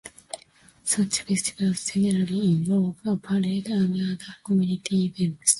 Such festivals generally involve a parade and other community events.